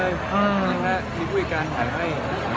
ไม่ได้ถ่ายรูปทุกที่เรามาถ่าย